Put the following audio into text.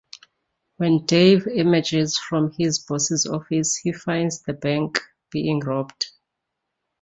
When Dave emerges from his boss's office, he finds the bank being robbed.